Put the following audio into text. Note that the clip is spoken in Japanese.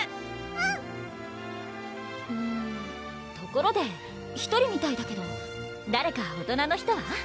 うんところで１人みたいだけど誰か大人の人は？